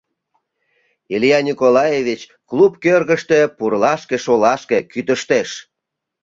— Илья Николаевич клуб кӧргыштӧ пурлашке-шолашке кӱтыштеш.